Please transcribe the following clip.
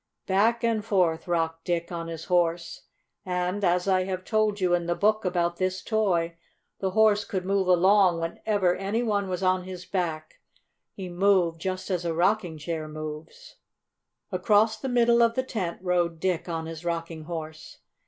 Back and forth rocked Dick on his Horse, and, as I have told you in the book about this toy, the Horse could move along whenever any one was on his back. He moved just as a rocking chair moves. Across the middle of the tent rode Dick on his Rocking Horse.